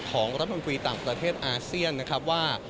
ของรัฐมนตรีต่างประเทศอาเซียนนะครับว่า